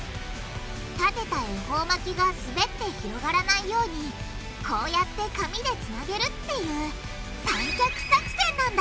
立てた恵方巻きがすべって広がらないようにこうやって紙でつなげるっていう「三脚作戦」なんだ！